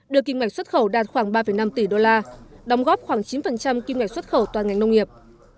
được kinh ngạch xuất khẩu đạt khoảng ba năm tỷ đô la đóng góp khoảng chín kinh ngạch xuất khẩu toàn ngành nông nghiệp